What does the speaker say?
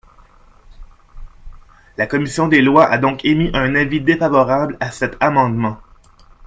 La commission des lois a donc émis un avis défavorable à cet amendement.